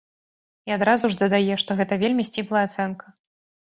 І адразу ж дадае, што гэта вельмі сціплая ацэнка.